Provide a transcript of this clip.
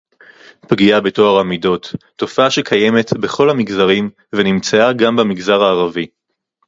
פגיעה בטוהר המידות - תופעה שקיימת בכל המגזרים ונמצאה גם במגזר הערבי